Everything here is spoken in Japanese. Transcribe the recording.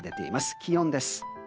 気温です。